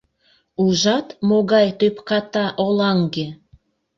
Ужат, могай тӧпката олаҥге!..